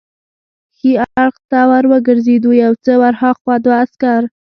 ښي اړخ ته ور وګرځېدو، یو څه ور هاخوا دوه عسکر.